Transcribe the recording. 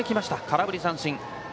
空振り三振。